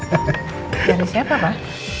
dari siapa pak